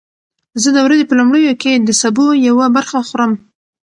زه د ورځې په لومړیو کې د سبو یوه برخه خورم.